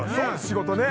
仕事ね。